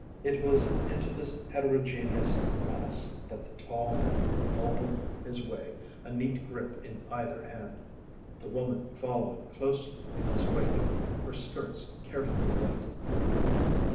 It was into this heterogeneous mass that the tall man elbowed his way, a neat grip in either hand; the woman following closely in his wake, her skirts carefully lifted.